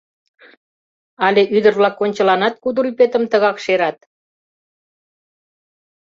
Але ӱдыр-влак ончыланат кудыр ӱпетым тыгак шерат?